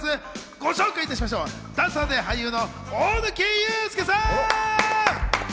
ご紹介しましょう、ダンサーで俳優の大貫勇輔さん。